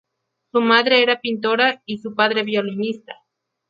Su madre era pintora y su padre violinista.